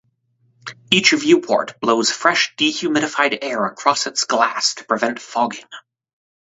Each viewport blows fresh dehumidified air across its glass to prevent fogging.